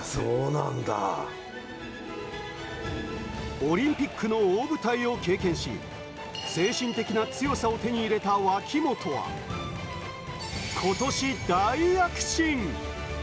オリンピックの大舞台を経験し、精神的な強さを手に入れた脇本は、今年大躍進。